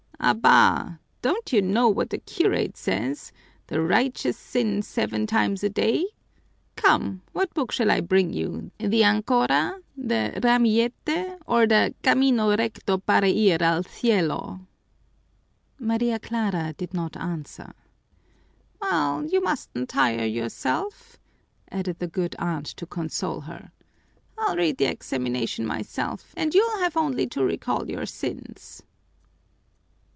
"Abá! Don't you know what the curate says: the righteous sin seven times a day? Come, what book shall I bring you, the Ancora, the Ramillete, or the Camino Recto para ir al Cielo?" Maria Clara did not answer. "Well, you mustn't tire yourself," added the good aunt to console her. "I'll read the examination myself and you'll have only to recall your sins."